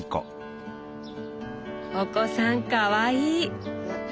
お子さんかわいい！